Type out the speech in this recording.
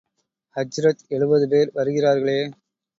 ஹஜ்ரத், எழுபது பேர் வருகிறார்களே!